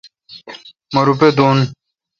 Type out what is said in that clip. مہ روپہ دوں۔